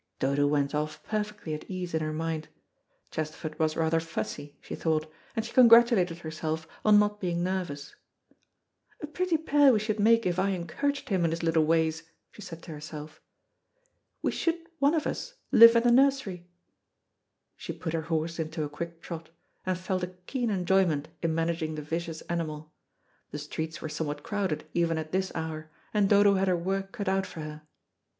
Dodo went off perfectly at ease in her mind. Chesterford was rather fussy, she thought, and she congratulated herself on not being nervous. "A pretty pair we should make if I encouraged him in his little ways," she said to herself. "We should one of us, live in the nursery." She put her horse into a quick trot, and felt a keen enjoyment in managing the vicious animal. The streets were somewhat crowded even at this hour, and Dodo had her work cut out for her.